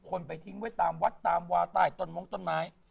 คนไปทิ้งไว้ตามวัดตามวาใต้ต้นมงต้นไม้